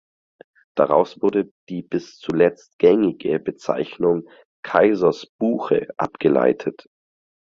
Daraus wurde die bis zuletzt gängige Bezeichnung "Kaisers Buche" abgeleitet.